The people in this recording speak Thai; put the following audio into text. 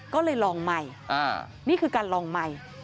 ก็เลยลองใหม่นี่คือการลองใหม่